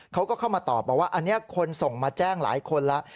เขาก็เข้ามาตอบบอกว่าอันนี้คนส่งมาแจ้งหลายคนแล้ว